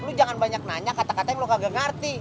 lu jangan banyak nanya kata kata yang lo kagak ngerti